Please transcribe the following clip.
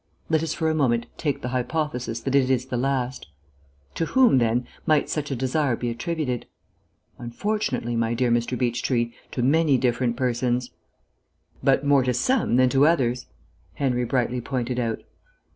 Let us for a moment take the hypothesis that it is the last. To whom, then, might such a desire be attributed? Unfortunately, my dear Mr. Beechtree, to many different persons." "But more to some than to others," Henry brightly pointed out.